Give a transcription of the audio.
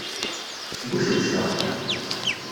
Sbucebceɣ.